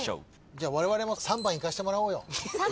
じゃあわれわれも３番いかせてもらおうよ。